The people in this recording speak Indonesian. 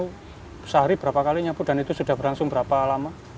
itu sehari berapa kali nyapu dan itu sudah berlangsung berapa lama